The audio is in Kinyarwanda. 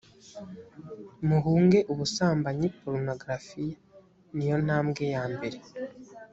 muhunge ubusambanyi porunogarafiya ni yo ntambwe ya mbere